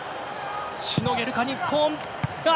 しのげるか、日本。